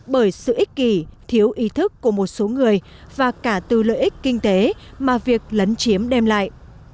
bởi sự ích kỳ thiếu ý thức của một số người và cả từ lợi ích kinh tế mà việc lấn chiếm đem lại